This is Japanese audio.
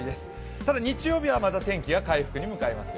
ただ、日曜日はまた天気が回復に向かいますよ。